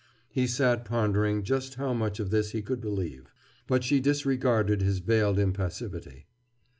He sat pondering just how much of this he could believe. But she disregarded his veiled impassivity.